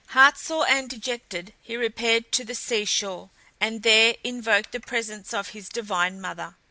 Heart sore and dejected he repaired to the sea shore, and there invoked the presence of his divine mother.